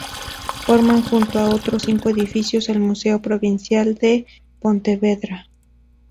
Forman junto a otros cinco edificios el Museo Provincial de Pontevedra.